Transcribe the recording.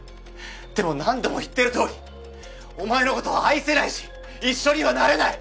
でも何度も言ってる通りお前のことは愛せないし一緒にはなれない！